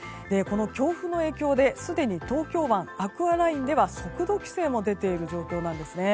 強風の影響ですでに東京湾アクアラインでは速度規制も出ている状況です。